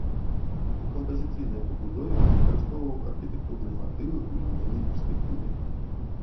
У кампазіцыйнай пабудове выкарыстоўваў архітэктурныя матывы ў лінейнай перспектыве.